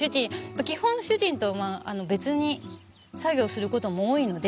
基本主人とは別に作業する事も多いので。